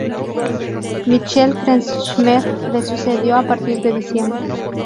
Michael Kretschmer le sucedió a partir de diciembre.